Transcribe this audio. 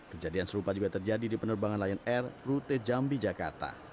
kejadian serupa juga terjadi di penerbangan lion air rute jambi jakarta